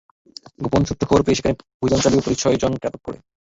গোপন সূত্রে খবর পেয়ে সেখানে অভিযান চালিয়ে পুলিশ ছয়জনকে আটক করে।